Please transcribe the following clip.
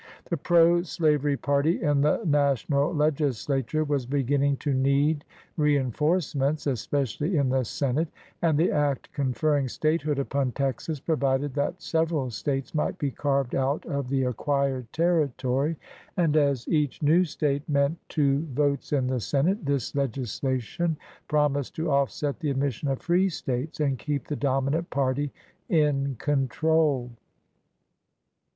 The pro slavery party in the national legislature was beginning to need rein forcements, especially in the Senate, and the act conferring statehood upon Texas provided that several States might be carved out of the acquired territory; and as each new State meant two votes in the Senate this legislation promised to offset the admission of free States and keep the dominant party in control.